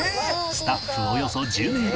スタッフおよそ１０名分